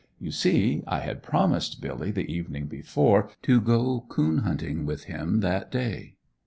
You see I had promised Billy the evening before to go coon hunting with him that day.